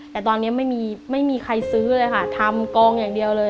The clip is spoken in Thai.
แต่ตอนนี้ไม่มีใครซื้อเลยค่ะทำกองอย่างเดียวเลย